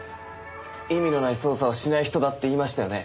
意味のない捜査はしない人だって言いましたよね？